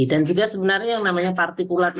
dan juga sebenarnya yang namanya partikulat itu